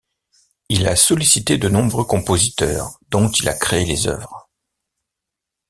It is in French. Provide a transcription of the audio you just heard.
Il a sollicité de nombreux compositeurs dont il a créé les œuvres.